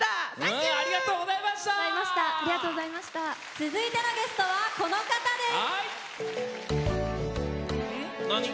続いてのゲストはこの方です。